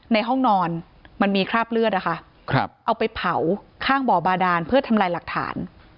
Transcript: ในห้องนอนมันมีคราบเลือดนะคะเอาไปเผาข้างบ่อบาดานเพื่อทำลายหลักฐาน